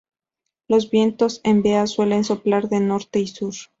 Los vientos en Bea suele soplar de norte y sur.